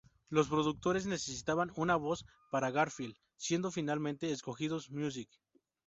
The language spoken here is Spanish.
Los productores necesitaban una voz para Garfield, siendo finalmente escogido Music.